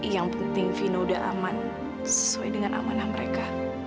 yang penting vino udah aman sesuai dengan amanah mereka